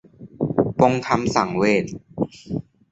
ปลงธรรมสังเวช